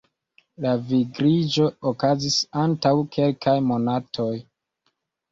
La vigliĝo okazis antaŭ kelkaj monatoj.